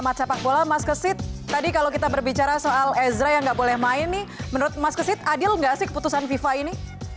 mas kesit tadi kalau kita berbicara soal ezra yang nggak boleh main nih menurut mas kesit adil nggak sih keputusan fifa ini